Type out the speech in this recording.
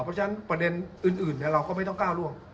เพราะฉะนั้นประเด็นอื่นเราก็ไม่ต้องก้าวร่วง